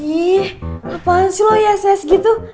ih kepaan sih lo ya saya segitu